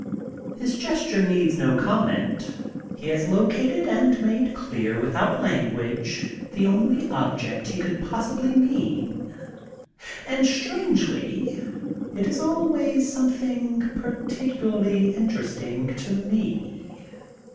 His gesture needs no comment. He has located and made clear without language the only one object he could possibly mean, and, strangely, it is always something particularly interesting to me.